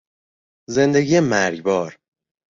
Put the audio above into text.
زندگی مرگبار